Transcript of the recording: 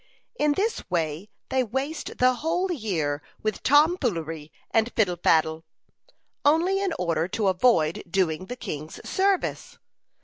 "In this way they waste the whole year with tomfoolery and fiddle faddle, only in order to avoid doing the king's service.